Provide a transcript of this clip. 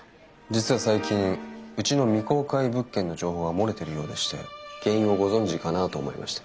実は最近うちの未公開物件の情報が漏れてるようでして原因をご存じかなと思いまして。